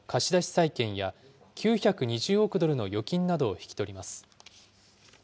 債権や、９２０億ドルの預金などを引き取ります。